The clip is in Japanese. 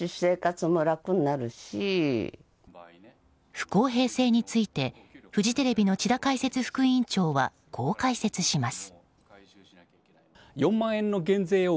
不公平性についてフジテレビの智田解説副委員長はこう解説します。